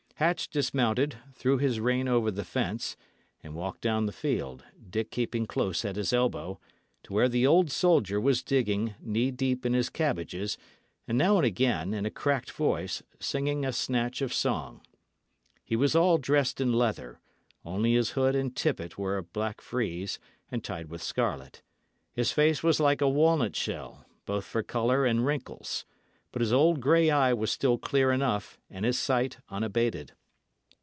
Hatch dismounted, threw his rein over the fence, and walked down the field, Dick keeping close at his elbow, to where the old soldier was digging, knee deep in his cabbages, and now and again, in a cracked voice, singing a snatch of song. He was all dressed in leather, only his hood and tippet were of black frieze, and tied with scarlet; his face was like a walnut shell, both for colour and wrinkles; but his old grey eye was still clear enough, and his sight unabated.